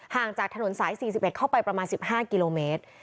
จากถนนสาย๔๑เข้าไปประมาณ๑๕กิโลเมตร